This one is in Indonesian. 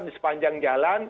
di sepanjang jalan